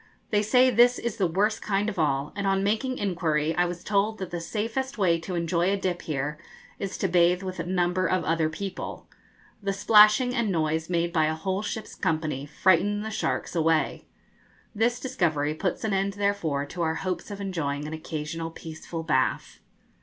They say this is the worst kind of all, and on making inquiry I was told that the safest way to enjoy a dip here is to bathe with a number of other people. The splashing and noise made by a whole ship's company frighten the sharks away. This discovery puts an end therefore to our hopes of enjoying an occasional peaceful bath.